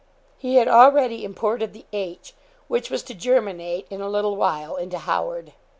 He had already imported the H. which was to germinate, in a little while, into Howard.